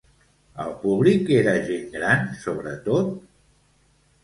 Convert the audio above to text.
El públic era gent gran, sobretot?